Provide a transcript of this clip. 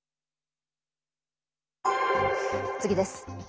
次です。